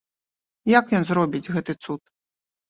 Як ён зробіць гэты цуд?